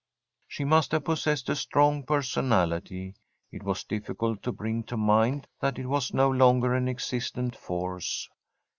She must have possessed a strong personality. It was difficult to bring to mind that it was no longer an existent force.